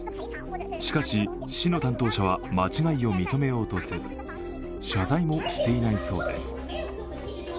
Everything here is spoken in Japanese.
しかし、市の担当者は間違えを認めようとせず謝罪もしていないそうです。